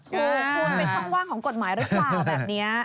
ถูกคุณเป็นช่องว่างของกฎหมายหรือเปล่าแบบนี้